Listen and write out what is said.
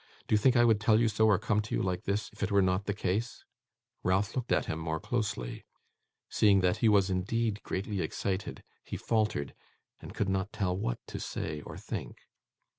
Do you think I would tell you so or come to you like this, if it were not the case?' Ralph looked at him more closely. Seeing that he was indeed greatly excited, he faltered, and could not tell what to say or think.